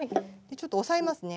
ちょっと押さえますね。